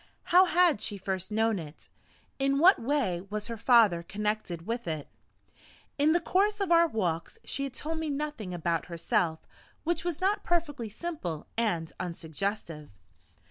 How had she first known it? In what way was her father connected with it? In the course of our walks she had told me nothing about herself which was not perfectly simple and unsuggestive.